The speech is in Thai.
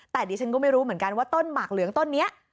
แต่ดิฉันก็ไม่รู้เหมือนกันว่าต้นหมากเหลืองต้นนี้